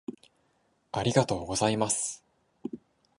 「ありがとうございます」